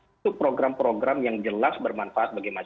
untuk program program yang jelas bermanfaat bagi masyarakat